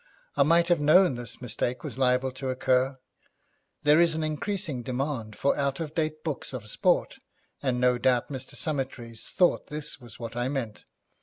I might have known this mistake was liable to occur. There is an increasing demand for out of date books of sport, and no doubt Mr. Summertrees thought this was what I meant.